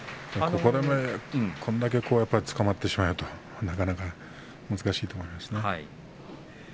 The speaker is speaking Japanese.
これだけつかまってしまうとなかなか難しいと思いますね。